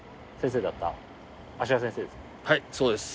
はいそうです。